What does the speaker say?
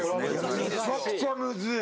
めちゃくちゃムズい。